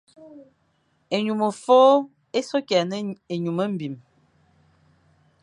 Ényum fôʼô é se kig a ne ényum mbim.